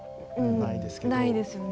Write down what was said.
ないですよね。